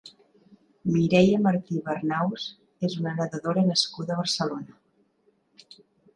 Mireia Martí Bernaus és una nedadora nascuda a Barcelona.